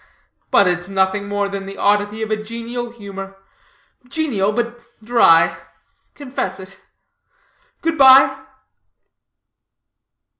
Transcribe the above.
But it's nothing more than the oddity of a genial humor genial but dry. Confess it. Good bye."